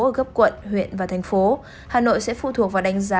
ở cấp quận huyện và thành phố hà nội sẽ phụ thuộc vào đánh giá